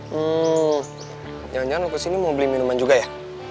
hmm jangan jangan lo ke sini mau beli minuman juga ya